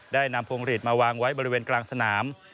ได้นำพวงฤทธิ์มาวางไว้บริเวณกลางสนาม